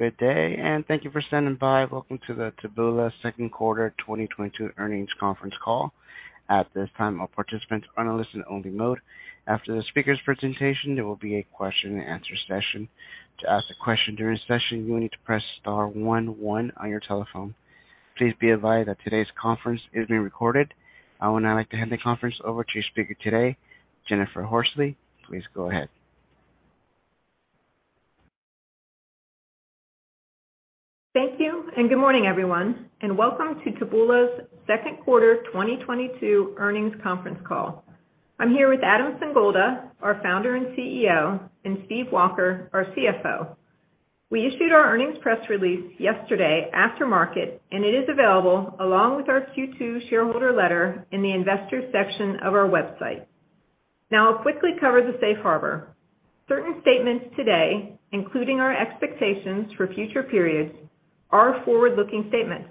Good day, and thank you for standing by. Welcome to the Taboola Q2 2022 earnings conference call. At this time, all participants are in a listen-only mode. After the speaker's presentation, there will be a question and answer session. To ask a question during the session, you will need to press star one one on your telephone. Please be advised that today's conference is being recorded. I would now like to hand the conference over to your speaker today, Jennifer Horsley. Please go ahead. Thank you, and good morning, everyone, and welcome to Taboola's Q2 2022 earnings conference call. I'm here with Adam Singolda, our founder and CEO, and Stephen Walker, our CFO. We issued our earnings press release yesterday after market, and it is available along with our Q2 shareholder letter in the investor section of our website. Now I'll quickly cover the safe harbor. Certain statements today, including our expectations for future periods, are forward-looking statements.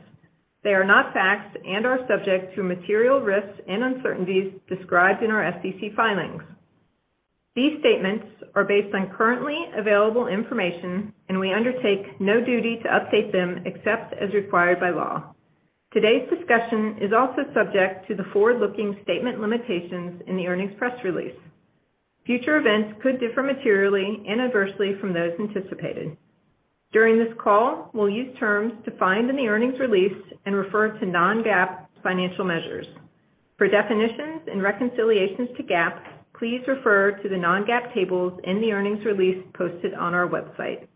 They are not facts and are subject to material risks and uncertainties described in our SEC filings. These statements are based on currently available information, and we undertake no duty to update them except as required by law. Today's discussion is also subject to the forward-looking statement limitations in the earnings press release. Future events could differ materially and adversely from those anticipated. During this call, we'll use terms defined in the earnings release and refer to non-GAAP financial measures. For definitions and reconciliations to GAAP, please refer to the non-GAAP tables in the earnings release posted on our website.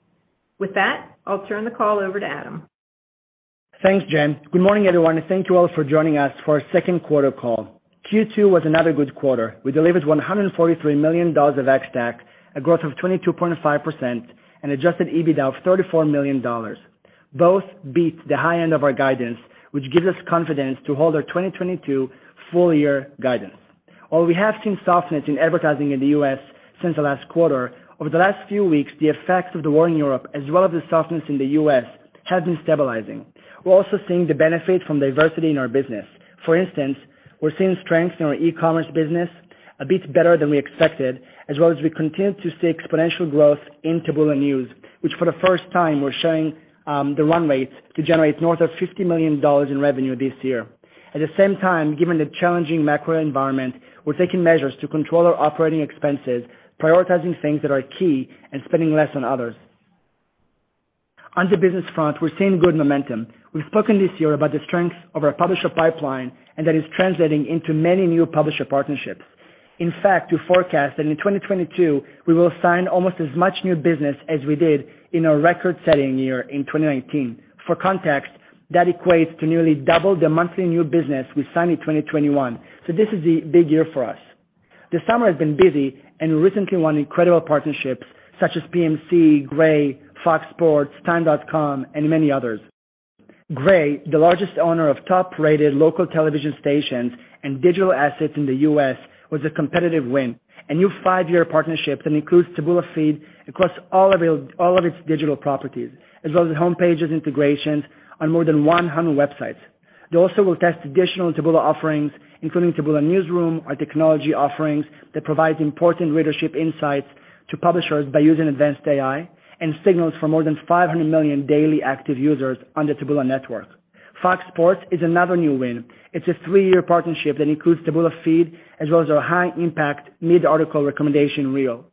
With that, I'll turn the call over to Adam. Thanks, Jen. Good morning, everyone, and thank you all for joining us for our Q2 call. Q2 was another good quarter. We delivered $143 million of ex-TAC, a growth of 22.5% and Adjusted EBITDA of $34 million. Both beat the high end of our guidance, which gives us confidence to hold our 2022 full-year guidance. While we have seen softness in advertising in the U.S. since the last quarter, over the last few weeks, the effects of the war in Europe as well as the softness in the U.S. have been stabilizing. We're also seeing the benefit from diversity in our business. For instance, we're seeing strength in our e-commerce business a bit better than we expected, as well as we continue to see exponential growth in Taboola News, which for the first time we're showing, the run rates to generate north of $50 million in revenue this year. At the same time, given the challenging macro environment, we're taking measures to control our operating expenses, prioritizing things that are key and spending less on others. On the business front, we're seeing good momentum. We've spoken this year about the strength of our publisher pipeline and that is translating into many new publisher partnerships. In fact, we forecast that in 2022 we will sign almost as much new business as we did in our record-setting year in 2019. For context, that equates to nearly double the monthly new business we signed in 2021. This is a big year for us. The summer has been busy and we recently won incredible partnerships such as PMC, Gray, Fox Sports, TIME.com, and many others. Gray, the largest owner of top-rated local television stations and digital assets in the U.S., was a competitive win. A new five-year partnership that includes Taboola Feed across all of its digital properties, as well as homepage integrations on more than 100 websites. They also will test additional Taboola offerings, including Taboola Newsroom, our technology offerings that provide important readership insights to publishers by using advanced AI and signals for more than 500 million daily active users on the Taboola network. Fox Sports is another new win. It's a three-year partnership that includes Taboola Feed as well as our high-impact mid-article recommendation reel.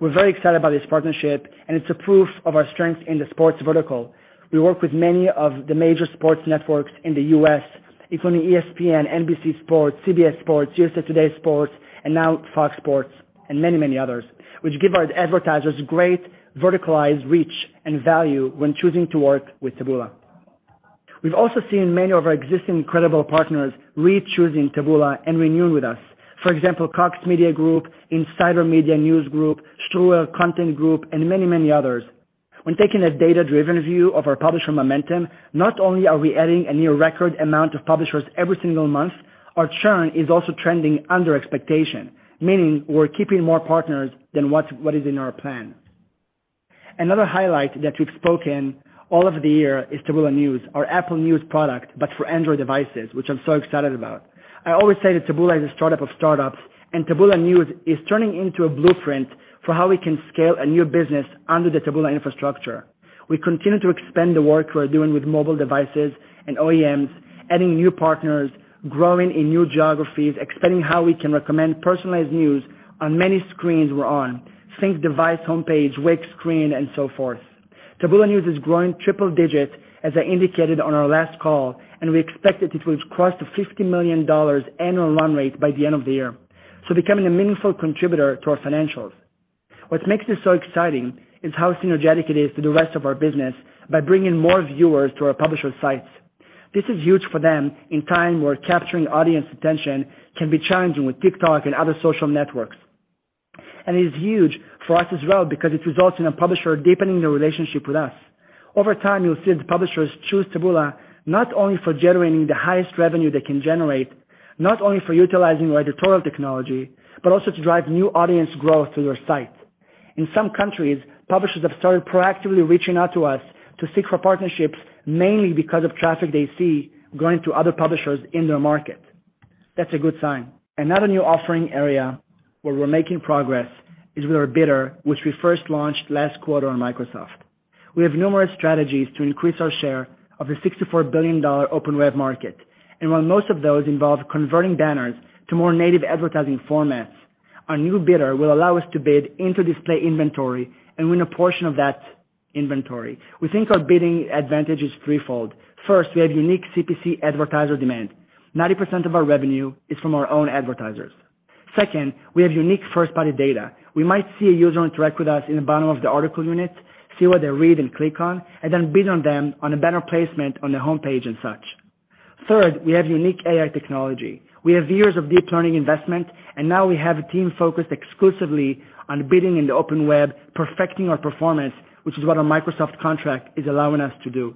We're very excited about this partnership and it's a proof of our strength in the sports vertical. We work with many of the major sports networks in the U.S., including ESPN, NBC Sports, CBS Sports, USA Today Sports, and now Fox Sports and many, many others, which give our advertisers great verticalized reach and value when choosing to work with Taboola. We've also seen many of our existing incredible partners re-choosing Taboola and renewing with us. For example, Cox Media Group, Insider Inc., Ströer Content Group, and many, many others. When taking a data-driven view of our publisher momentum, not only are we adding a near record amount of publishers every single month, our churn is also trending under expectation, meaning we're keeping more partners than what is in our plan. Another highlight that we've spoken all of the year is Taboola News, our Apple News product, but for Android devices, which I'm so excited about. I always say that Taboola is a startup of startups, and Taboola News is turning into a blueprint for how we can scale a new business under the Taboola infrastructure. We continue to expand the work we're doing with mobile devices and OEMs, adding new partners, growing in new geographies, expanding how we can recommend personalized news on many screens we're on. Sync device homepage, wake screen, and so forth. Taboola News is growing triple digits, as I indicated on our last call, and we expect that it will cross the $50 million annual run rate by the end of the year. Becoming a meaningful contributor to our financials. What makes this so exciting is how synergetic it is to the rest of our business by bringing more viewers to our publisher sites. This is huge for them in time where capturing audience attention can be challenging with TikTok and other social networks. It is huge for us as well because it results in a publisher deepening their relationship with us. Over time, you'll see the publishers choose Taboola not only for generating the highest revenue they can generate, not only for utilizing our editorial technology, but also to drive new audience growth to their site. In some countries, publishers have started proactively reaching out to us to seek for partnerships, mainly because of traffic they see going to other publishers in their market. That's a good sign. Another new offering area where we're making progress is with our bidder, which we first launched last quarter on Microsoft. We have numerous strategies to increase our share of the $64 billion open web market. While most of those involve converting banners to more native advertising formats, our new bidder will allow us to bid into display inventory and win a portion of that inventory. We think our bidding advantage is threefold. First, we have unique CPC advertiser demand. 90% of our revenue is from our own advertisers. Second, we have unique first-party data. We might see a user interact with us in the bottom of the article unit, see what they read and click on, and then bid on them on a banner placement on the homepage and such. Third, we have unique AI technology. We have years of deep learning investment, and now we have a team focused exclusively on bidding in the open web, perfecting our performance, which is what our Microsoft contract is allowing us to do.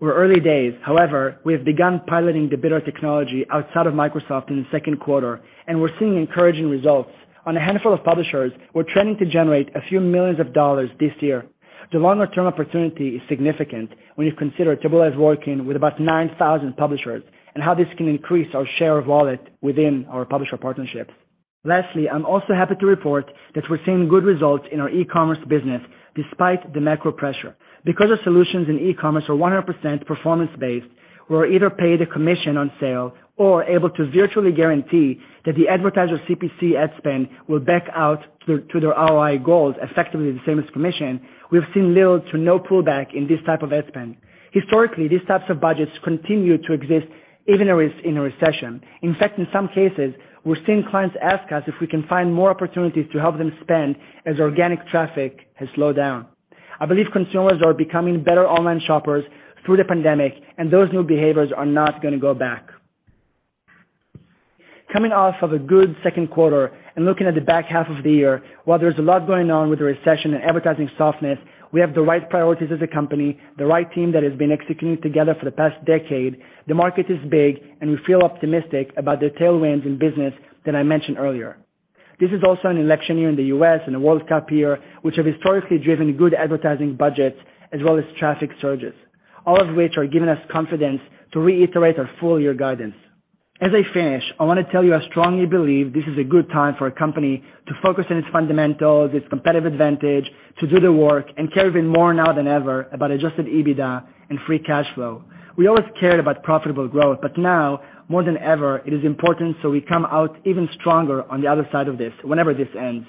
We're early days. However, we have begun piloting the bidder technology outside of Microsoft in the Q2, and we're seeing encouraging results. On a handful of publishers, we're trending to generate $a few million this year. The longer-term opportunity is significant when you consider Taboola is working with about 9,000 publishers and how this can increase our share of wallet within our publisher partnerships. Lastly, I'm also happy to report that we're seeing good results in our e-commerce business despite the macro pressure. Because our solutions in e-commerce are 100% performance-based, we're either paid a commission on sale or able to virtually guarantee that the advertiser CPC ad spend will back out to their ROI goals, effectively the same as commission. We've seen little to no pullback in this type of ad spend. Historically, these types of budgets continue to exist even in a recession. In fact, in some cases, we're seeing clients ask us if we can find more opportunities to help them spend as organic traffic has slowed down. I believe consumers are becoming better online shoppers through the pandemic, and those new behaviors are not gonna go back. Coming off of a good Q2 and looking at the back half of the year, while there's a lot going on with the recession and advertising softness, we have the right priorities as a company, the right team that has been executing together for the past decade. The market is big, and we feel optimistic about the tailwinds in business that I mentioned earlier. This is also an election year in the U.S. and a World Cup year, which have historically driven good advertising budgets as well as traffic surges, all of which are giving us confidence to reiterate our full-year guidance. As I finish, I wanna tell you I strongly believe this is a good time for a company to focus on its fundamentals, its competitive advantage, to do the work, and care even more now than ever about Adjusted EBITDA and free cash flow. We always cared about profitable growth, but now more than ever, it is important, so we come out even stronger on the other side of this, whenever this ends.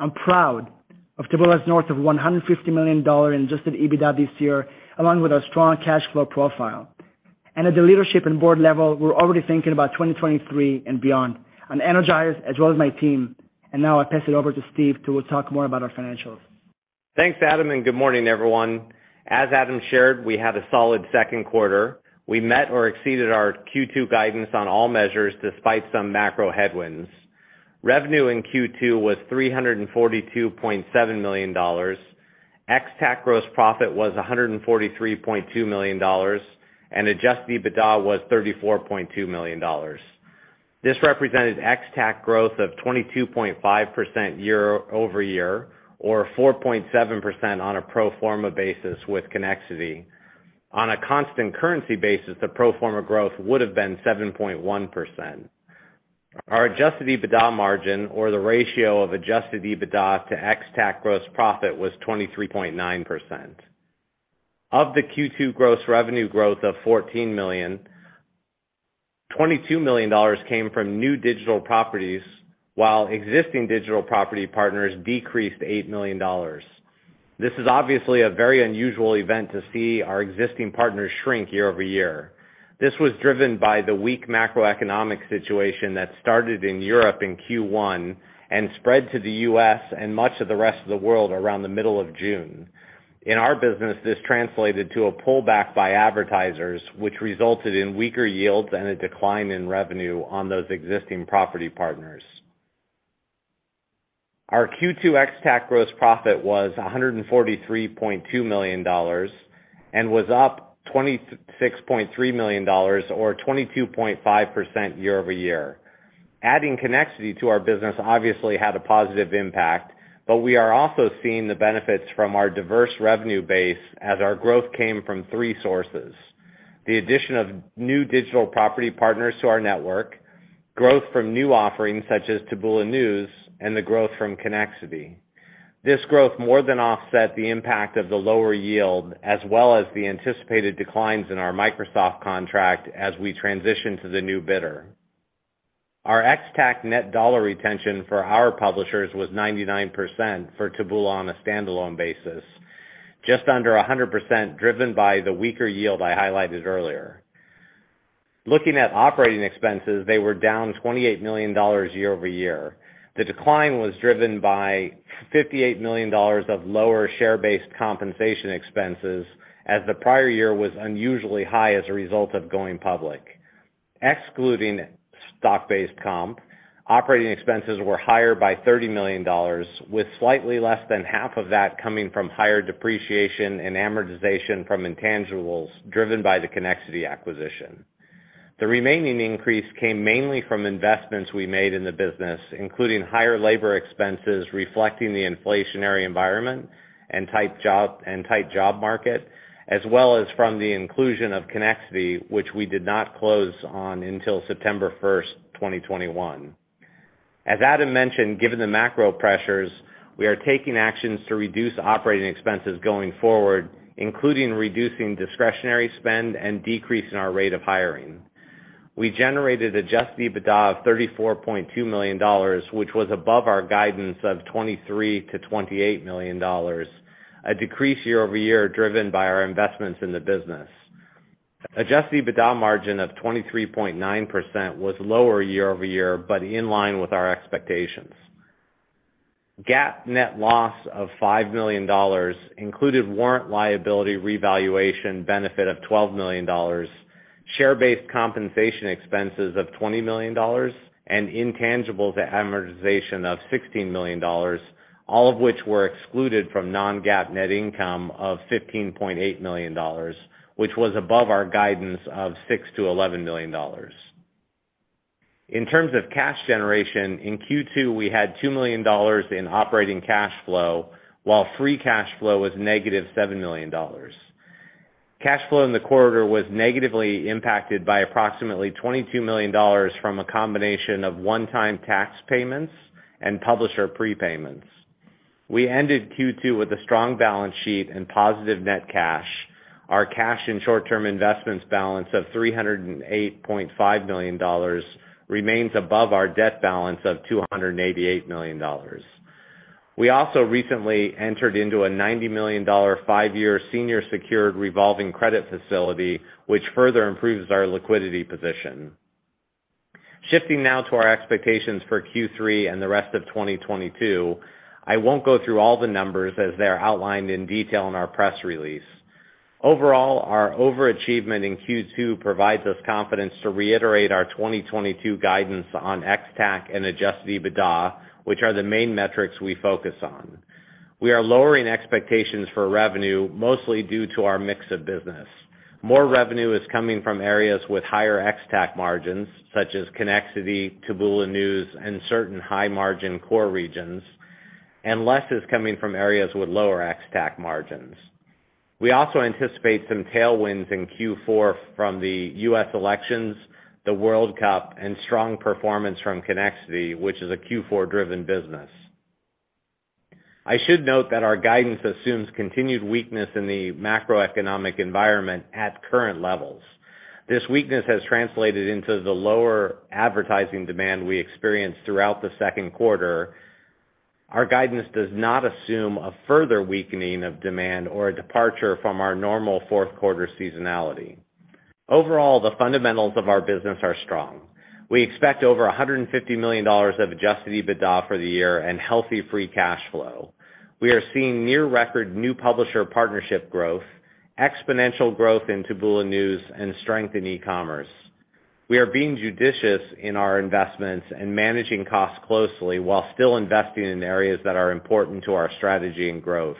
I'm proud of Taboola's north of $150 million in Adjusted EBITDA this year, along with our strong cash flow profile. At the leadership and board level, we're already thinking about 2023 and beyond. I'm energized, as well as my team, and now I pass it over to Steve to talk more about our financials. Thanks, Adam, and good morning, everyone. As Adam shared, we had a solid Q2. We met or exceeded our Q2 guidance on all measures despite some macro headwinds. Revenue in Q2 was $342.7 million. Ex-TAC gross profit was $143.2 million, and adjusted EBITDA was $34.2 million. This represented ex-TAC growth of 22.5% year-over-year or 4.7% on a pro forma basis with Connexity. On a constant currency basis, the pro forma growth would have been 7.1%. Our adjusted EBITDA margin or the ratio of adjusted EBITDA to ex-TAC gross profit was 23.9%. Of the Q2 gross revenue growth of $14 million, $22 million came from new digital properties while existing digital property partners decreased $8 million. This is obviously a very unusual event to see our existing partners shrink year-over-year. This was driven by the weak macroeconomic situation that started in Europe in Q1 and spread to the U.S. and much of the rest of the world around the middle of June. In our business, this translated to a pullback by advertisers, which resulted in weaker yields and a decline in revenue on those existing property partners. Our Q2 ex-TAC gross profit was $143.2 million and was up $26.3 million or 22.5% year-over-year. Adding Connexity to our business obviously had a positive impact, but we are also seeing the benefits from our diverse revenue base as our growth came from three sources, the addition of new digital property partners to our network, growth from new offerings such as Taboola News, and the growth from Connexity. This growth more than offset the impact of the lower yield as well as the anticipated declines in our Microsoft contract as we transition to the new bidder. Our ex-TAC net dollar retention for our publishers was 99% for Taboola on a standalone basis, just under 100% driven by the weaker yield I highlighted earlier. Looking at operating expenses, they were down $28 million year-over-year. The decline was driven by $58 million of lower share-based compensation expenses as the prior year was unusually high as a result of going public. Excluding stock-based comp, operating expenses were higher by $30 million, with slightly less than half of that coming from higher depreciation and amortization from intangibles driven by the Connexity acquisition. The remaining increase came mainly from investments we made in the business, including higher labor expenses reflecting the inflationary environment and tight job market, as well as from the inclusion of Connexity, which we did not close on until September first, 2021. As Adam mentioned, given the macro pressures, we are taking actions to reduce operating expenses going forward, including reducing discretionary spend and decreasing our rate of hiring. We generated Adjusted EBITDA of $34.2 million, which was above our guidance of $23 million-$28 million, a decrease year-over-year driven by our investments in the business. Adjusted EBITDA margin of 23.9% was lower year-over-year, but in line with our expectations. GAAP net loss of $5 million included warrant liability revaluation benefit of $12 million, share-based compensation expenses of $20 million, and intangibles amortization of $16 million, all of which were excluded from non-GAAP net income of $15.8 million, which was above our guidance of $6 million-$11 million. In terms of cash generation, in Q2, we had $2 million in operating cash flow while free cash flow was -$7 million. Cash flow in the quarter was negatively impacted by approximately $22 million from a combination of one-time tax payments and publisher prepayments. We ended Q2 with a strong balance sheet and positive net cash. Our cash and short-term investments balance of $308.5 million remains above our debt balance of $288 million. We also recently entered into a $90 million five-year senior secured revolving credit facility, which further improves our liquidity position. Shifting now to our expectations for Q3 and the rest of 2022, I won't go through all the numbers as they are outlined in detail in our press release. Overall, our overachievement in Q2 provides us confidence to reiterate our 2022 guidance on ex-TAC and Adjusted EBITDA, which are the main metrics we focus on. We are lowering expectations for revenue, mostly due to our mix of business. More revenue is coming from areas with higher ex-TAC margins, such as Connexity, Taboola News, and certain high-margin core regions, and less is coming from areas with lower ex-TAC margins. We also anticipate some tailwinds in Q4 from the US elections, the World Cup, and strong performance from Connexity, which is a Q4-driven business. I should note that our guidance assumes continued weakness in the macroeconomic environment at current levels. This weakness has translated into the lower advertising demand we experienced throughout the Q2. Our guidance does not assume a further weakening of demand or a departure from our normal Q4 seasonality. Overall, the fundamentals of our business are strong. We expect over $150 million of Adjusted EBITDA for the year and healthy free cash flow. We are seeing near record new publisher partnership growth, exponential growth in Taboola News, and strength in e-commerce. We are being judicious in our investments and managing costs closely while still investing in areas that are important to our strategy and growth.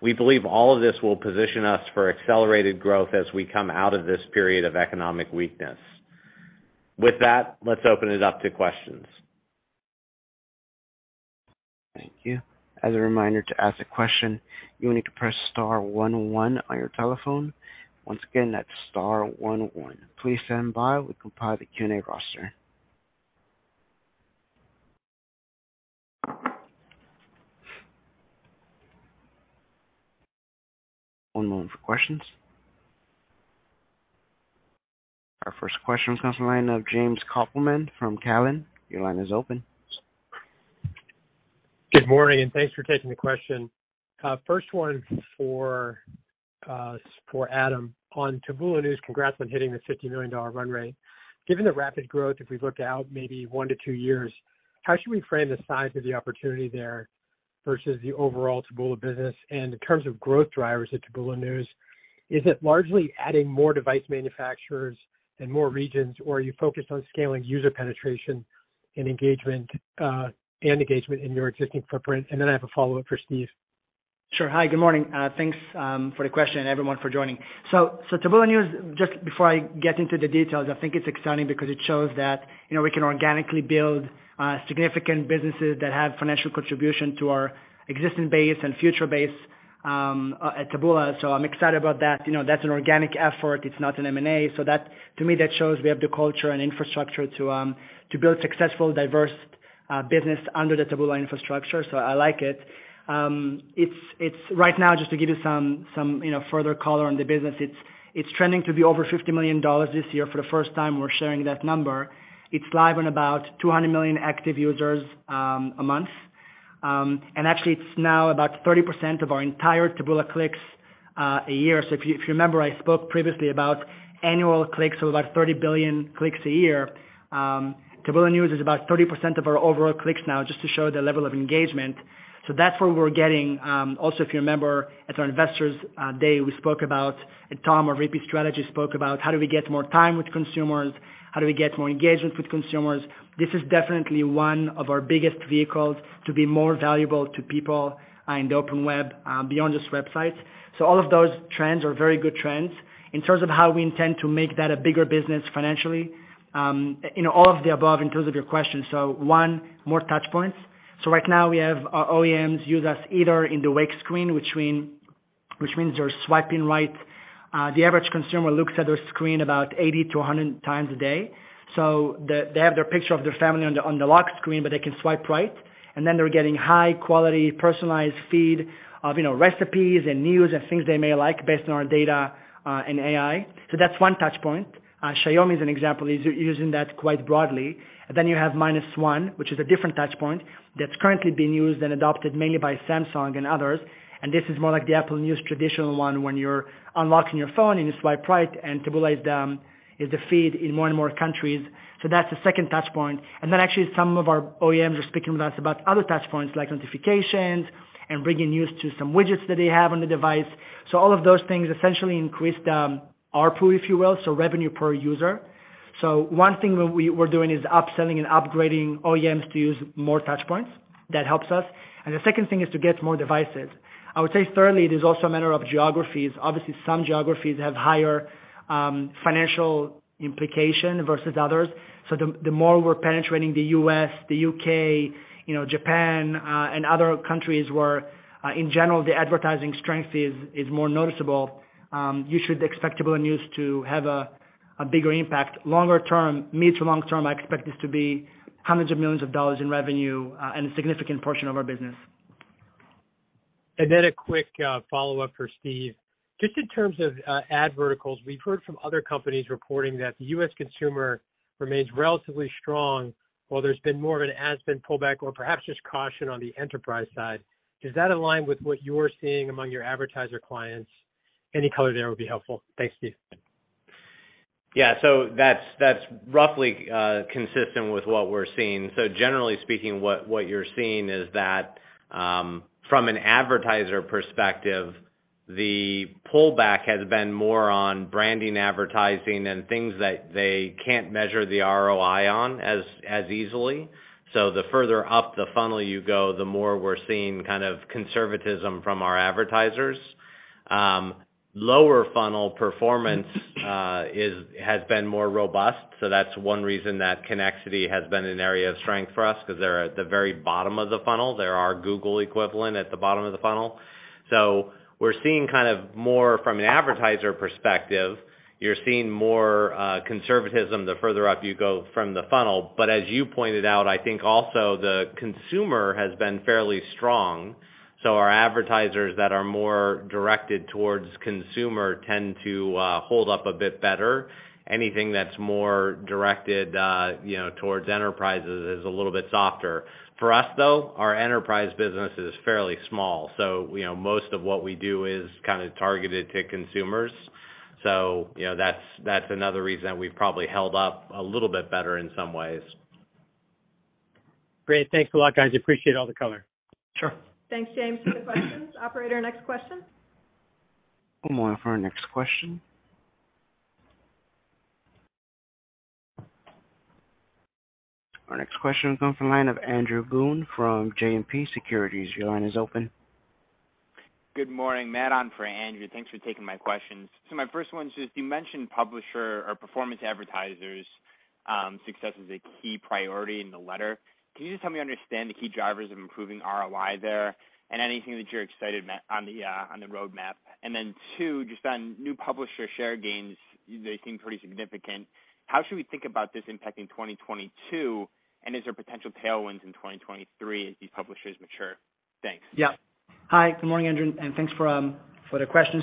We believe all of this will position us for accelerated growth as we come out of this period of economic weakness. With that, let's open it up to questions. Thank you. As a reminder, to ask a question, you will need to press star one one on your telephone. Once again, that's star one one. Please stand by. We compile the Q&A roster. One moment for questions. Our first question comes from the line of James Kopelman from Cowen. Your line is open. Good morning, and thanks for taking the question. First one for Adam. On Taboola News, congrats on hitting the $50 million run rate. Given the rapid growth, if we look out maybe 1-2 years, how should we frame the size of the opportunity there versus the overall Taboola business? In terms of growth drivers at Taboola News, is it largely adding more device manufacturers in more regions, or are you focused on scaling user penetration and engagement in your existing footprint? Then I have a follow-up for Steve. Sure. Hi, good morning. Thanks for the question, everyone for joining. Taboola News, just before I get into the details, I think it's exciting because it shows that, you know, we can organically build significant businesses that have financial contribution to our existing base and future base at Taboola. I'm excited about that. You know, that's an organic effort. It's not an M&A. That to me, that shows we have the culture and infrastructure to build successful, diverse business under the Taboola infrastructure. I like it. It's right now, just to give you some, you know, further color on the business. It's trending to be over $50 million this year. For the first time, we're sharing that number. It's live on about 200 million active users a month. Actually it's now about 30% of our entire Taboola clicks a year. If you remember, I spoke previously about annual clicks of about 30 billion clicks a year. Taboola News is about 30% of our overall clicks now, just to show the level of engagement. That's where we're getting. Also, if you remember at our investors day, we spoke about, and Tom, our VP of Strategy, spoke about how do we get more time with consumers? How do we get more engagement with consumers? This is definitely one of our biggest vehicles to be more valuable to people in the open web beyond just websites. All of those trends are very good trends. In terms of how we intend to make that a bigger business financially, you know, all of the above in terms of your question. One, more touch points. Right now we have our OEMs use us either in the wake screen between Which means they're swiping right. The average consumer looks at their screen about 80-100 times a day. They have their picture of their family on the lock screen, but they can swipe right, and then they're getting high quality personalized feed of, you know, recipes and news and things they may like based on our data, and AI. That's one touch point. Xiaomi is an example using that quite broadly. You have minus one, which is a different touch point that's currently being used and adopted mainly by Samsung and others. This is more like the Apple News traditional one when you're unlocking your phone and you swipe right and Taboola is the feed in more and more countries. That's the second touch point. Actually some of our OEMs are speaking with us about other touch points like notifications and bringing news to some widgets that they have on the device. All of those things essentially increase the ARPU, if you will, so revenue per user. One thing we're doing is upselling and upgrading OEMs to use more touch points. That helps us. The second thing is to get more devices. I would say thirdly, it is also a matter of geographies. Obviously, some geographies have higher financial implication versus others. The more we're penetrating the U.S., the U.K., you know, Japan and other countries where in general the advertising strength is more noticeable. You should expect Taboola News to have a bigger impact. Longer term, mid to long term, I expect this to be hundreds of millions of dollars in revenue, and a significant portion of our business. a quick follow-up for Steve. Just in terms of ad verticals, we've heard from other companies reporting that the U.S. consumer remains relatively strong while there's been more of an ad spend pullback or perhaps just caution on the enterprise side. Does that align with what you're seeing among your advertiser clients? Any color there would be helpful. Thanks, Steve. Yeah. That's roughly consistent with what we're seeing. Generally speaking, what you're seeing is that, from an advertiser perspective, the pullback has been more on branding, advertising, and things that they can't measure the ROI on as easily. The further up the funnel you go, the more we're seeing kind of conservatism from our advertisers. Lower funnel performance has been more robust, that's one reason that Connexity has been an area of strength for us because they're at the very bottom of the funnel. They're our Google equivalent at the bottom of the funnel. We're seeing kind of more from an advertiser perspective. You're seeing more conservatism the further up you go from the funnel. As you pointed out, I think also the consumer has been fairly strong. Our advertisers that are more directed towards consumer tend to hold up a bit better. Anything that's more directed, you know, towards enterprises is a little bit softer. For us, though, our enterprise business is fairly small, so you know, most of what we do is kinda targeted to consumers. You know, that's another reason we've probably held up a little bit better in some ways. Great. Thanks a lot, guys. Appreciate all the color. Sure. Thanks, James, for the questions. Operator, next question. One moment for our next question. Our next question comes from the line of Andrew Boone from JMP Securities. Your line is open. Good morning. Matt on for Andrew. Thanks for taking my questions. My first one is just you mentioned publisher or performance advertisers success is a key priority in the letter. Can you just help me understand the key drivers of improving ROI there and anything that you're excited about on the roadmap? And then two, just on new publisher share gains, they seem pretty significant. How should we think about this impacting 2022? And is there potential tailwinds in 2023 as these publishers mature? Thanks. Yeah. Hi. Good morning, Andrew, and thanks for the question.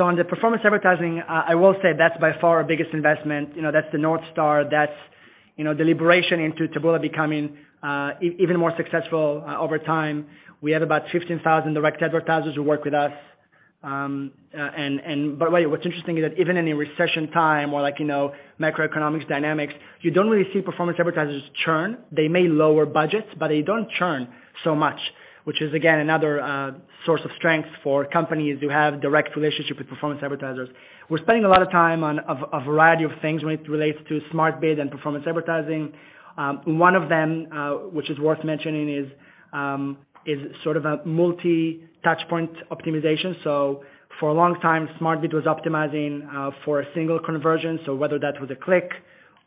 On the performance advertising, I will say that's by far our biggest investment. You know, that's the North Star, that's, you know, the liberation into Taboola becoming even more successful over time. We have about 15,000 direct advertisers who work with us. By the way, what's interesting is that even in a recession time or like, you know, macroeconomics dynamics, you don't really see performance advertisers churn. They may lower budgets, but they don't churn so much, which is again another source of strength for companies who have direct relationship with performance advertisers. We're spending a lot of time on a variety of things when it relates to SmartBid and performance advertising. One of them, which is worth mentioning is sort of a multi-touch point optimization. For a long time, SmartBid was optimizing for a single conversion. Whether that was a click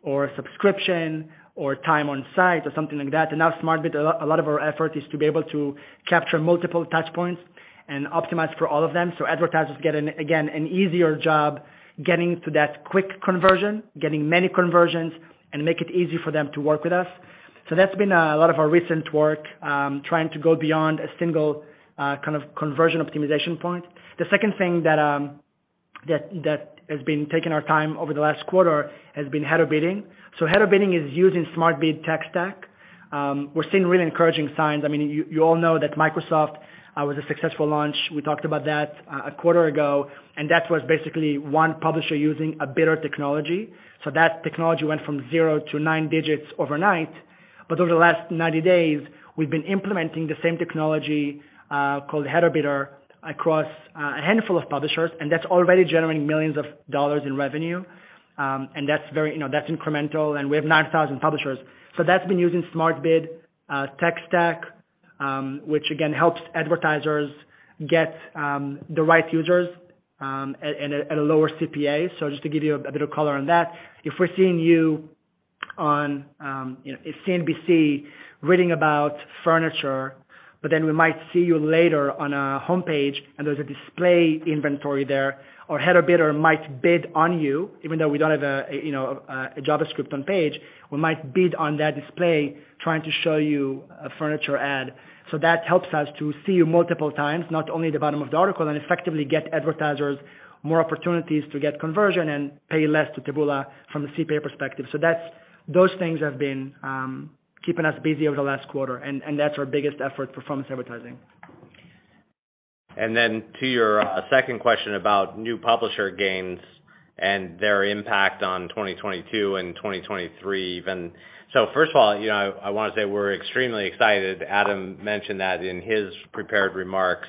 or a subscription or time on site or something like that. Now SmartBid, a lot of our effort is to be able to capture multiple touch points and optimize for all of them. Advertisers get an, again, an easier job getting to that quick conversion, getting many conversions and make it easy for them to work with us. That's been a lot of our recent work, trying to go beyond a single kind of conversion optimization point. The second thing that has been taking our time over the last quarter has been header bidding. Header bidding is used in SmartBid tech stack. We're seeing really encouraging signs. I mean, you all know that Microsoft was a successful launch. We talked about that a quarter ago, and that was basically one publisher using a bidder technology. That technology went from zero to nine digits overnight. Over the last 90 days, we've been implementing the same technology, called header bidding across a handful of publishers, and that's already generating millions of dollars in revenue. And that's very, you know, that's incremental, and we have 9,000 publishers. That's been used in SmartBid tech stack, which again helps advertisers get the right users at a lower CPA. Just to give you a bit of color on that, if we're seeing you on CNBC, you know, reading about furniture, but then we might see you later on our homepage, and there's a display inventory there, or header bidding might bid on you, even though we don't have a JavaScript on page, we might bid on that display trying to show you a furniture ad. That helps us to see you multiple times, not only at the bottom of the article, and effectively get advertisers more opportunities to get conversion and pay less to Taboola from the CPA perspective. That's those things have been keeping us busy over the last quarter, and that's our biggest effort, performance advertising. To your second question about new publisher gains and their impact on 2022 and 2023 even. First of all, you know, I wanna say we're extremely excited. Adam mentioned that in his prepared remarks.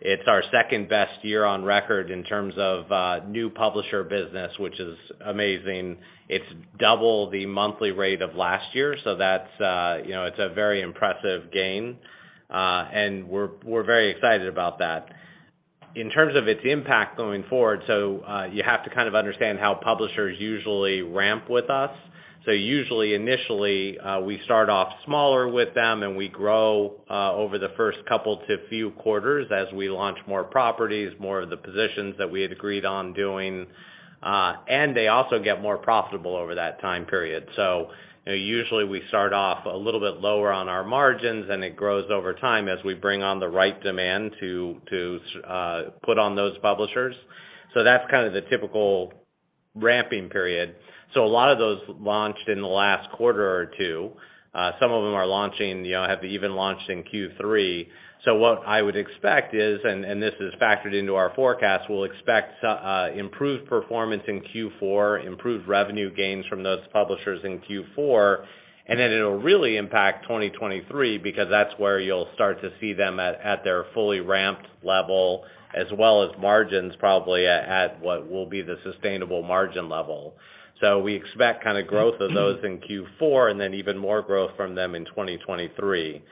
It's our second best year on record in terms of new publisher business, which is amazing. It's double the monthly rate of last year. That's, you know, it's a very impressive gain and we're very excited about that. In terms of its impact going forward, you have to kind of understand how publishers usually ramp with us. Usually initially, we start off smaller with them, and we grow over the first couple to few quarters as we launch more properties, more of the positions that we had agreed on doing, and they also get more profitable over that time period. You know, usually we start off a little bit lower on our margins, and it grows over time as we bring on the right demand to put on those publishers. That's kind of the typical ramping period. A lot of those launched in the last quarter or two. Some of them are launching, you know, have even launched in Q3. What I would expect is, and this is factored into our forecast, we'll expect improved performance in Q4, improved revenue gains from those publishers in Q4, and then it'll really impact 2023 because that's where you'll start to see them at their fully ramped level as well as margins probably at what will be the sustainable margin level. We expect kinda growth of those in Q4 and then even more growth from them in 2023. You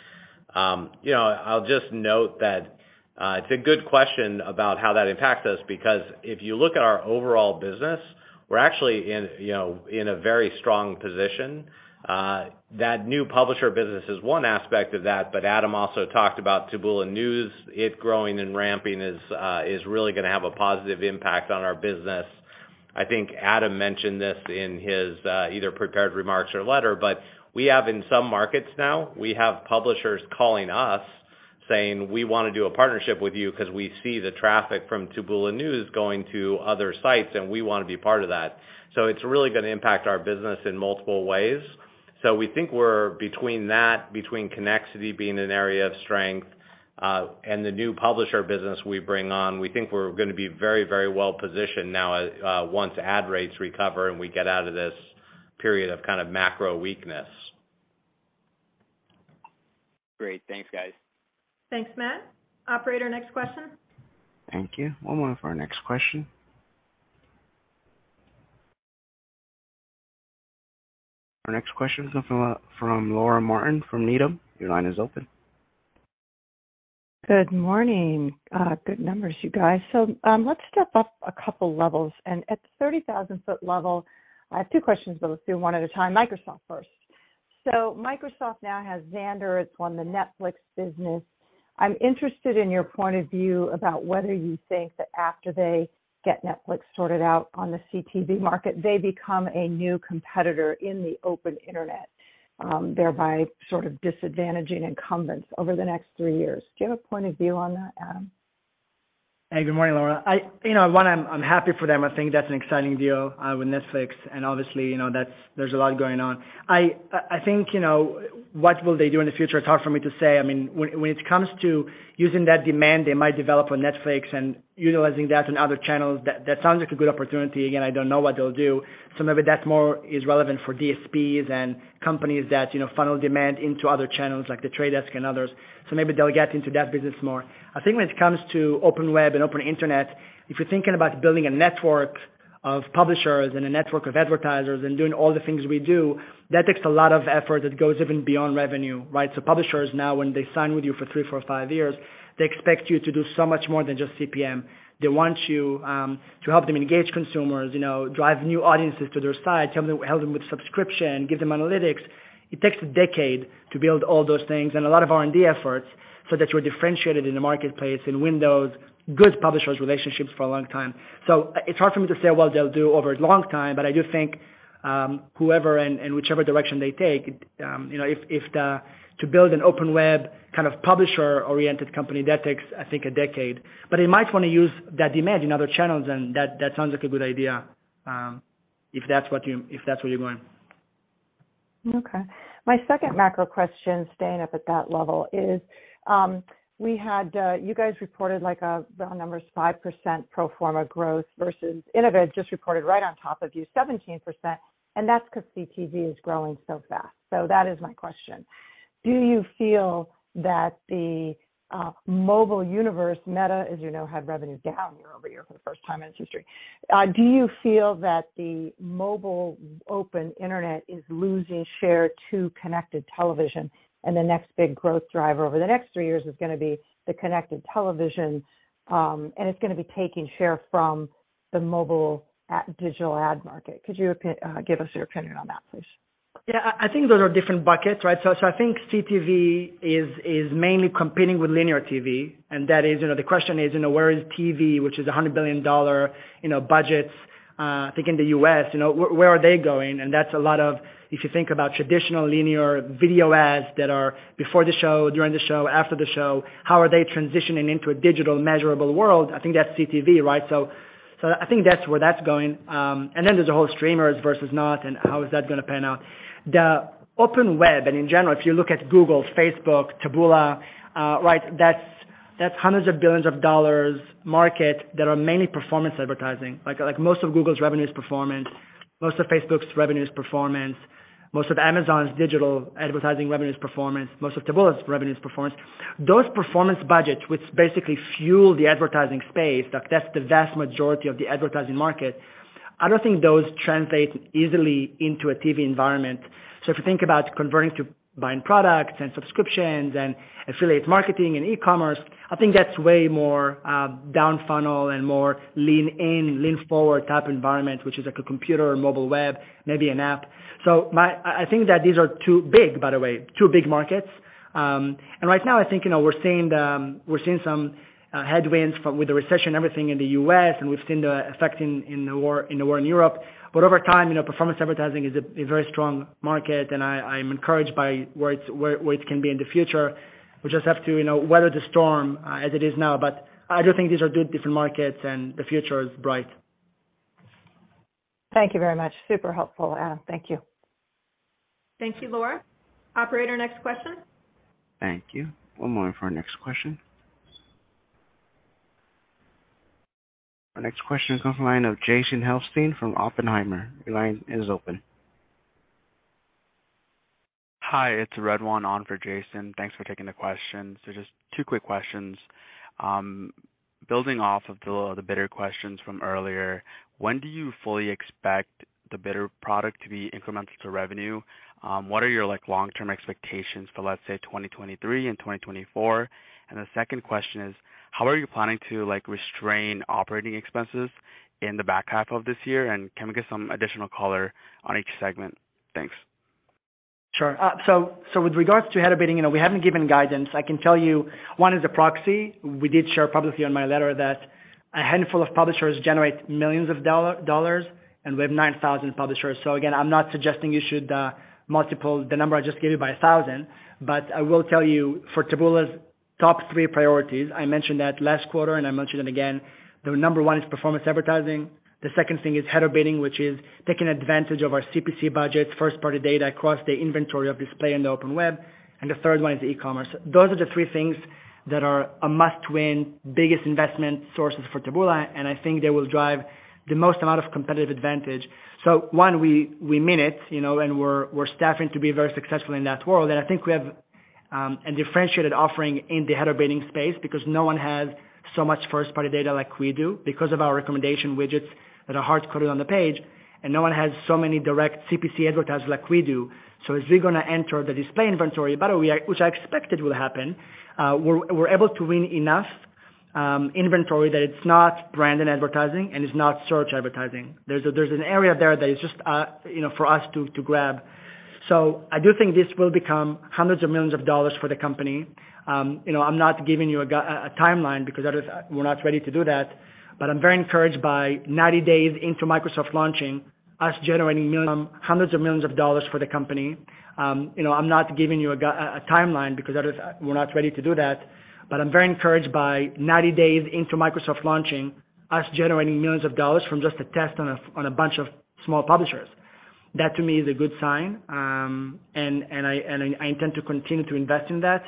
know, I'll just note that, it's a good question about how that impacts us because if you look at our overall business, we're actually in, you know, in a very strong position. That new publisher business is one aspect of that, but Adam also talked about Taboola News. It growing and ramping is really gonna have a positive impact on our business. I think Adam mentioned this in his either prepared remarks or letter, but we have in some markets now, publishers calling us saying, "We wanna do a partnership with you 'cause we see the traffic from Taboola News going to other sites, and we wanna be part of that." It's really gonna impact our business in multiple ways. We think we're between that, Connexity being an area of strength, and the new publisher business we bring on. We think we're gonna be very, very well positioned now, once ad rates recover and we get out of this period of kind of macro weakness. Great. Thanks, guys. Thanks, Matt. Operator, next question. Thank you. One moment for our next question. Our next question is from Laura Martin from Needham. Your line is open. Good morning. Good numbers, you guys. Let's step up a couple levels, and at the 30,000-foot level, I have two questions, but let's do one at a time. Microsoft first. Microsoft now has Xandr. It's won the Netflix business. I'm interested in your point of view about whether you think that after they get Netflix sorted out on the CTV market, they become a new competitor in the open internet, thereby disadvantaging incumbents over the next three years. Do you have a point of view on that, Adam? Hey, good morning, Laura. I'm happy for them. I think that's an exciting deal with Netflix, and obviously, that's. There's a lot going on. I think what will they do in the future? It's hard for me to say. I mean, when it comes to using that demand they might develop on Netflix and utilizing that on other channels, that sounds like a good opportunity. Again, I don't know what they'll do. Maybe that more is relevant for DSPs and companies that funnel demand into other channels like The Trade Desk and others. Maybe they'll get into that business more. I think when it comes to open web and open internet, if you're thinking about building a network of publishers and a network of advertisers and doing all the things we do, that takes a lot of effort that goes even beyond revenue, right? Publishers now, when they sign with you for three, four, five years, they expect you to do so much more than just CPM. They want you to help them engage consumers, you know, drive new audiences to their site, help them with subscription, give them analytics. It takes a decade to build all those things and a lot of R&D efforts so that you're differentiated in the marketplace, in which those good publisher relationships for a long time. It's hard for me to say what they'll do over a long time, but I do think whoever and whichever direction they take, you know, if to build an open web kind of publisher-oriented company, that takes, I think, a decade. They might wanna use that demand in other channels, and that sounds like a good idea, if that's where you're going. Okay. My second macro question, staying up at that level, is, we had, you guys reported like a, the number's 5% pro forma growth versus Innovid just reported right on top of you 17%, and that's 'cause CTV is growing so fast. That is my question. Do you feel that the mobile universe, Meta, as you know, had revenue down year-over-year for the first time in its history. Do you feel that the mobile open internet is losing share to connected television and the next big growth driver over the next three years is gonna be the connected television, and it's gonna be taking share from the mobile digital ad market? Could you give us your opinion on that, please? I think those are different buckets, right? I think CTV is mainly competing with linear TV, and that is, you know, the question is, you know, where is TV, which is $100 billion, you know, budgets, I think in the US, you know, where are they going? That's a lot of, if you think about traditional linear video ads that are before the show, during the show, after the show, how are they transitioning into a digital measurable world? I think that's CTV, right? I think that's where that's going. Then there's a whole streamers versus not, and how is that gonna pan out. The open web and in general, if you look at Google, Facebook, Taboola, right, that's hundreds of billions of dollars market that are mainly performance advertising. Like most of Google's revenue is performance. Most of Facebook's revenue is performance. Most of Amazon's digital advertising revenue is performance. Most of Taboola's revenue is performance. Those performance budgets, which basically fuel the advertising space, like that's the vast majority of the advertising market, I don't think those translate easily into a TV environment. If you think about converting to buying products and subscriptions and affiliate marketing and e-commerce, I think that's way more down funnel and more lean in, lean forward type environment, which is like a computer or mobile web, maybe an app. I think that these are two big, by the way, two big markets. Right now I think, you know, we're seeing some headwinds from with the recession, everything in the U.S. and we've seen the effect in the war in Europe. Over time, you know, performance advertising is a very strong market and I'm encouraged by where it can be in the future. We just have to, you know, weather the storm as it is now. I do think these are good different markets and the future is bright. Thank you very much. Super helpful, Adam. Thank you. Thank you, Laura. Operator, next question. Thank you. One moment for our next question. Our next question comes from the line of Jason Helfstein from Oppenheimer. Your line is open. Hi, it's Redwan on for Jason. Thanks for taking the questions. Just two quick questions. Building off of the bidder questions from earlier, when do you fully expect the bidder product to be incremental to revenue? What are your, like, long-term expectations for, let's say, 2023 and 2024? And the second question is, how are you planning to, like, restrain operating expenses in the back half of this year? And can we get some additional color on each segment? Thanks. Sure. With regards to header bidding, you know, we haven't given guidance. I can tell you one is a proxy. We did share publicly in my letter that a handful of publishers generate millions of dollars, and we have 9,000 publishers. Again, I'm not suggesting you should multiply the number I just gave you by a thousand. I will tell you for Taboola's top three priorities, I mentioned that last quarter and I mention it again. The number one is performance advertising. The second thing is header bidding, which is taking advantage of our CPC budgets, first-party data across the inventory of display and the open web. The third one is e-commerce. Those are the three things that are a must win, biggest investment sources for Taboola, and I think they will drive the most amount of competitive advantage. One, we mean it, you know, and we're staffing to be very successful in that world. I think we have a differentiated offering in the header bidding space because no one has so much first party data like we do because of our recommendation widgets that are hard coded on the page, and no one has so many direct CPC advertisers like we do. As we gonna enter the display inventory, by the way, which I expect it will happen, we're able to win enough inventory that it's not branded advertising and it's not search advertising. There's an area there that is just, you know, for us to grab. I do think this will become hundreds of millions of dollars for the company. You know, I'm not giving you a timeline because we're not ready to do that. I'm very encouraged by 90 days into Microsoft launching, us generating hundreds of millions of dollars for the company. You know, I'm not giving you a timeline because we're not ready to do that. I'm very encouraged by 90 days into Microsoft launching, us generating millions of dollars from just a test on a bunch of small publishers. That to me is a good sign. I intend to continue to invest in that.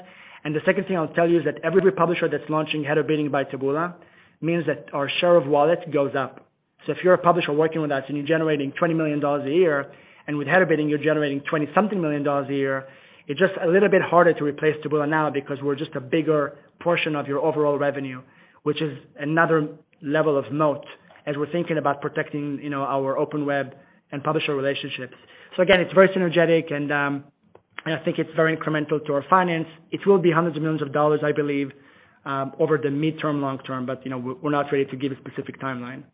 The second thing I'll tell you is that every publisher that's launching header bidding by Taboola means that our share of wallet goes up. If you're a publisher working with us and you're generating $20 million a year, and with header bidding you're generating 20-something million dollars a year, it's just a little bit harder to replace Taboola now because we're just a bigger portion of your overall revenue, which is another level of moat as we're thinking about protecting, you know, our open web and publisher relationships. Again, it's very synergetic and I think it's very incremental to our finance. It will be hundreds of millions of dollars, I believe, over the midterm, long term, but, you know, we're not ready to give a specific timeline.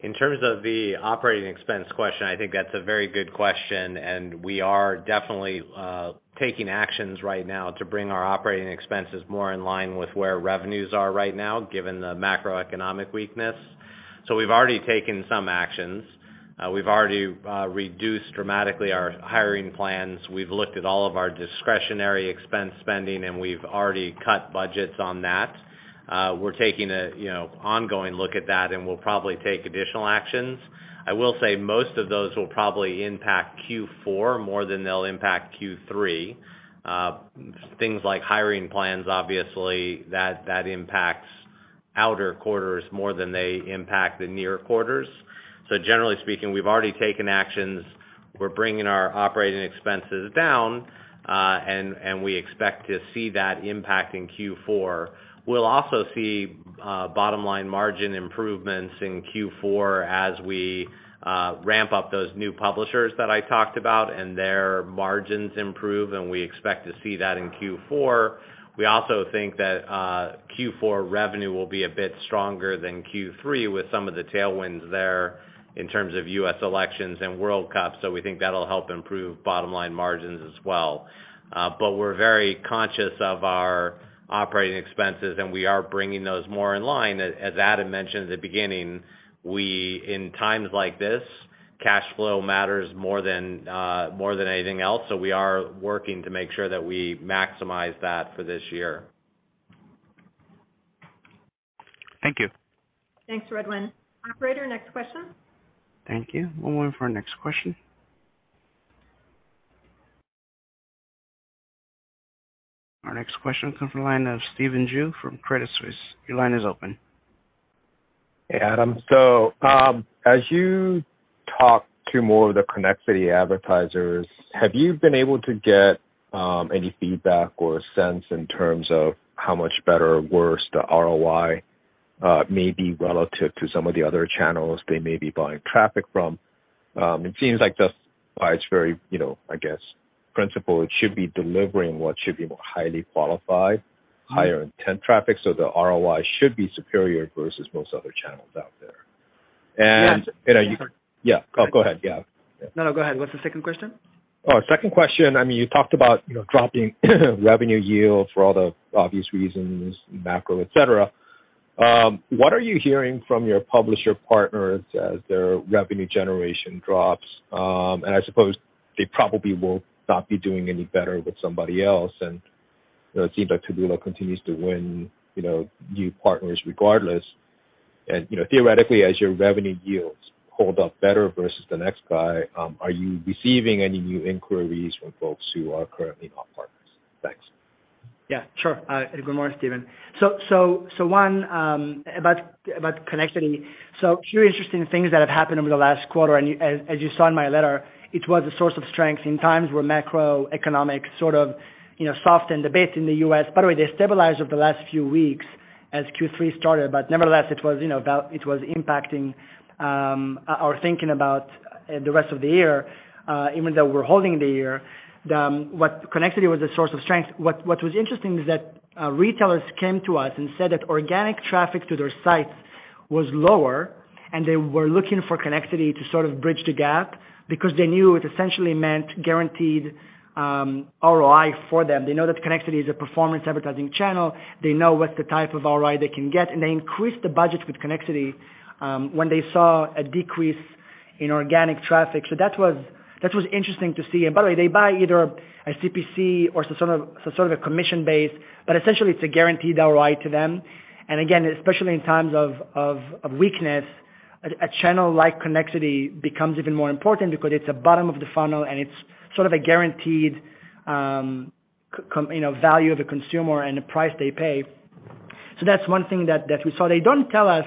In terms of the operating expense question, I think that's a very good question, and we are definitely taking actions right now to bring our operating expenses more in line with where revenues are right now, given the macroeconomic weakness. We've already taken some actions. We've already reduced dramatically our hiring plans. We've looked at all of our discretionary expense spending, and we've already cut budgets on that. We're taking a, you know, ongoing look at that, and we'll probably take additional actions. I will say most of those will probably impact Q4 more than they'll impact Q3. Things like hiring plans, obviously that impacts outer quarters more than they impact the near quarters. Generally speaking, we've already taken actions. We're bringing our operating expenses down, and we expect to see that impact in Q4. We'll also see bottom line margin improvements in Q4 as we ramp up those new publishers that I talked about and their margins improve, and we expect to see that in Q4. We also think that Q4 revenue will be a bit stronger than Q3 with some of the tailwinds there in terms of U.S. elections and World Cup. We think that'll help improve bottom line margins as well. We're very conscious of our operating expenses, and we are bringing those more in line. As Adam mentioned at the beginning, we in times like this Cash flow matters more than, more than anything else. We are working to make sure that we maximize that for this year. Thank you. Thanks, Redwan. Operator, next question. Thank you. One moment for our next question. Our next question comes from the line of Stephen Ju from Credit Suisse. Your line is open. Hey, Adam. As you talk to more of the Connexity advertisers, have you been able to get any feedback or sense in terms of how much better or worse the ROI may be relative to some of the other channels they may be buying traffic from? It seems like just by its very, you know, I guess, principle, it should be delivering what should be more highly qualified, higher intent traffic. The ROI should be superior versus most other channels out there. Yeah. Yeah. Oh, go ahead. Yeah. No, no, go ahead. What's the second question? Oh, second question. I mean, you talked about, you know, dropping revenue yield for all the obvious reasons, macro, et cetera. What are you hearing from your publisher partners as their revenue generation drops? I suppose they probably will not be doing any better with somebody else. It seems like Taboola continues to win, you know, new partners regardless. You know, theoretically, as your revenue yields hold up better versus the next guy, are you receiving any new inquiries from folks who are currently not partners? Thanks. Yeah, sure. Good morning, Steven. So one about Connexity. So a few interesting things that have happened over the last quarter. As you saw in my letter, it was a source of strength in times where macroeconomic sort of softened a bit in the U.S. By the way, they stabilized over the last few weeks as Q3 started. Nevertheless, it was impacting our thinking about the rest of the year, even though we're holding the year. Connexity was a source of strength. What was interesting is that retailers came to us and said that organic traffic to their sites was lower, and they were looking for Connexity to sort of bridge the gap because they knew it essentially meant guaranteed ROI for them. They know that Connexity is a performance advertising channel. They know what the type of ROI they can get, and they increased the budget with Connexity when they saw a decrease in organic traffic. That was interesting to see. By the way, they buy either a CPC or sort of a commission-based, but essentially it's a guaranteed ROI to them. Again, especially in times of weakness, a channel like Connexity becomes even more important because it's a bottom of the funnel and it's sort of a guaranteed you know value of a consumer and the price they pay. That's one thing that we saw. They don't tell us.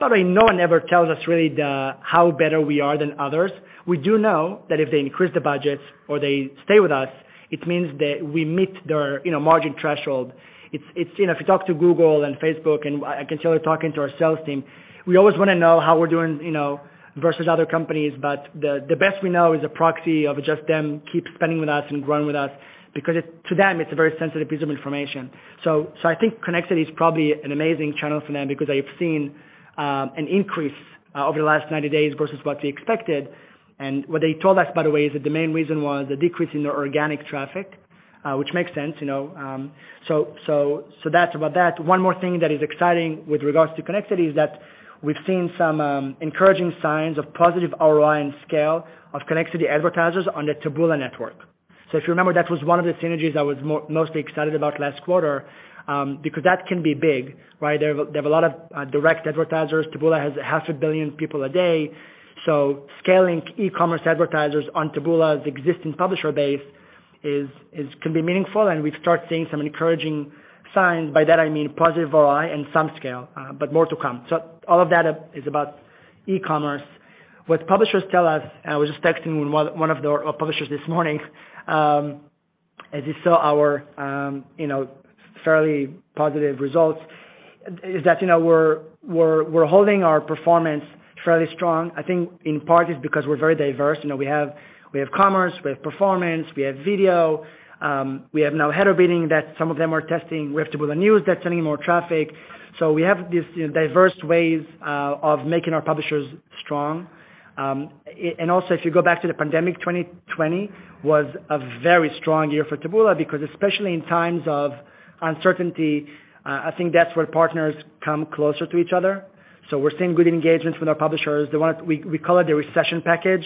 By the way, no one ever tells us really the how better we are than others. We do know that if they increase the budgets or they stay with us, it means that we meet their, you know, margin threshold. It's you know, if you talk to Google and Facebook, and I can tell you talking to our sales team, we always wanna know how we're doing, you know, versus other companies. The best we know is a proxy of just them keep spending with us and growing with us because to them, it's a very sensitive piece of information. I think Connexity is probably an amazing channel for them because they've seen an increase over the last 90 days versus what they expected. What they told us, by the way, is that the main reason was the decrease in their organic traffic, which makes sense, you know. That's about that. One more thing that is exciting with regards to Connexity is that we've seen some encouraging signs of positive ROI and scale of Connexity advertisers on the Taboola network. If you remember, that was one of the synergies I was most excited about last quarter, because that can be big, right? They have a lot of direct advertisers. Taboola has 500 million people a day. Scaling e-commerce advertisers on Taboola's existing publisher base can be meaningful, and we've started seeing some encouraging signs. By that, I mean positive ROI and some scale, but more to come. All of that is about e-commerce. What publishers tell us, and I was just texting one of our publishers this morning, as you saw our, you know, fairly positive results, is that, you know, we're holding our performance fairly strong. I think in part it's because we're very diverse. You know, we have commerce, we have performance, we have video. We have now header bidding that some of them are testing. We have Taboola News that's sending more traffic. We have these diverse ways of making our publishers strong. Also, if you go back to the pandemic, 2020 was a very strong year for Taboola because especially in times of uncertainty, I think that's where partners come closer to each other. We're seeing good engagements with our publishers. The one we call the recession package.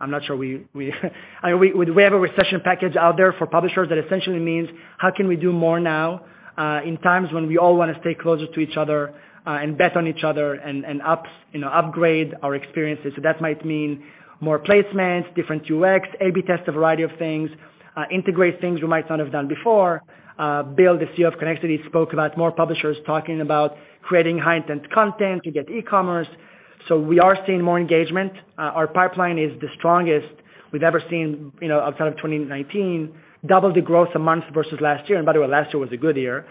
I'm not sure we have a recession package out there for publishers that essentially means how can we do more now, in times when we all wanna stay closer to each other, and bet on each other and you know, upgrade our experiences. That might mean more placements, different UX, A/B test a variety of things, integrate things we might not have done before. Bill, the CEO of Connexity, spoke about more publishers talking about creating high-intent content to get e-commerce. We are seeing more engagement. Our pipeline is the strongest we've ever seen, you know, outside of 2019. Double the growth a month versus last year. By the way, last year was a good year.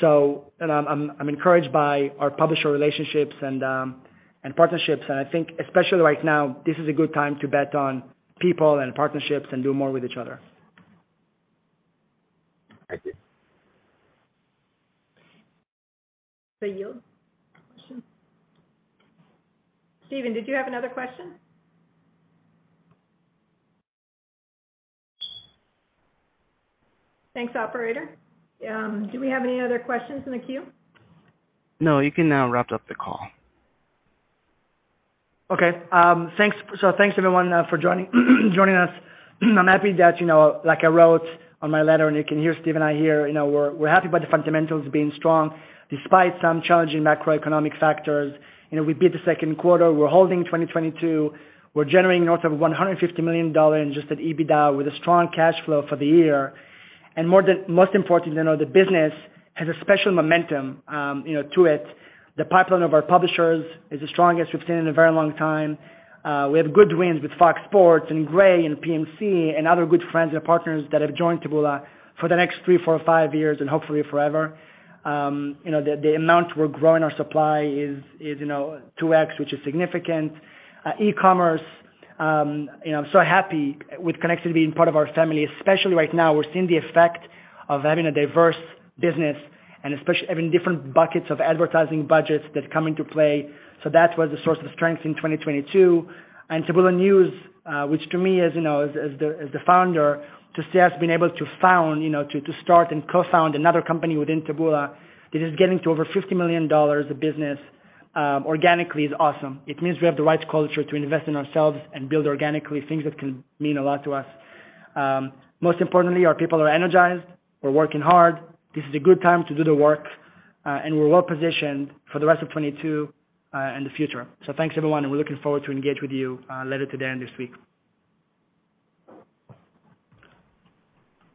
You know, I'm encouraged by our publisher relationships and partnerships. I think especially right now, this is a good time to bet on people and partnerships and do more with each other. Thank you. Your question. Stephen, did you have another question? Thanks, operator. Do we have any other questions in the queue? No, you can now wrap up the call. Thanks everyone for joining us. I'm happy that, you know, like I wrote on my letter and you can hear Steve and I here, you know, we're happy about the fundamentals being strong despite some challenging macroeconomic factors. You know, we beat the Q2. We're holding 2022. We're generating north of $150 million just at EBITDA with a strong cash flow for the year. Most importantly, you know, the business has a special momentum, you know, to it. The pipeline of our publishers is the strongest we've seen in a very long time. We have good wins with Fox Sports and Gray and PMC and other good friends and partners that have joined Taboola for the next thre, four, five years and hopefully forever. You know, the amount we're growing our supply is you know, 2x, which is significant. E-commerce, you know, I'm so happy with Connexity being part of our family, especially right now. We're seeing the effect of having a diverse business and especially having different buckets of advertising budgets that come into play. That was a source of strength in 2022. Taboola News, which to me is, you know, as the founder, to see us being able to start and co-found another company within Taboola that is getting to over $50 million of business, organically is awesome. It means we have the right culture to invest in ourselves and build organically things that can mean a lot to us. Most importantly, our people are energized. We're working hard. This is a good time to do the work, and we're well positioned for the rest of 2022, and the future. Thanks, everyone, and we're looking forward to engage with you, later today and this week.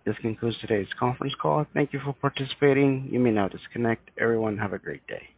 This concludes today's conference call. Thank you for participating. You may now disconnect. Everyone, have a great day.